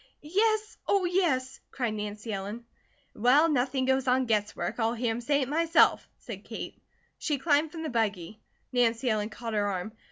"Yes, oh, yes!" cried Nancy Ellen. "Well, nothing goes on guess work. I'll hear him say it, myself," said Kate. She climbed from the buggy. Nancy Ellen caught her arm.